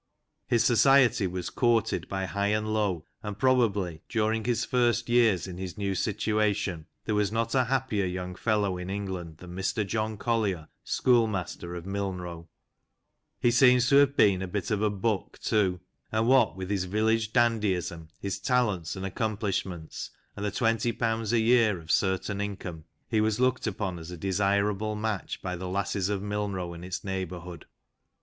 His society was courted by high and low, and probably, during his first years in his new situation, there was not a happier young fellow in England than Mr John Collier, schoolmaster of Milnrow. He seems to have been a bit of a buck, too, and what with his village dandyism, his talents and accomplishments, and the twenty pounds a year of certain income, he was looked \\\^o\\ as a desirable match by the lasses of Milnrow and its neighbourhood.